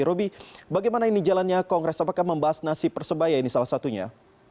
roby bagaimana ini jalannya kongres apakah membahas nasib persebaya ini salah satunya